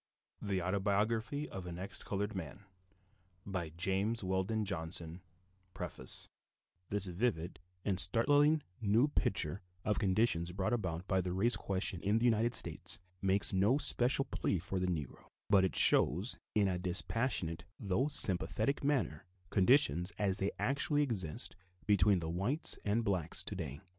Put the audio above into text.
THE AUTOBIOGRAPHY OF AN EX COLORED MAN James Weldon Johnson 1912 PREFACE TO THE ORIGINAL EDITION OF 1912 This vivid and startlingly new picture of conditions brought about by the race question in the United States makes no special plea for the Negro, but shows in a dispassionate, though sympathetic, manner conditions as they actually exist between the whites and blacks to day.